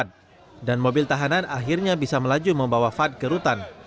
dan mobil tahanan akhirnya bisa melaju membawa fad ke rutan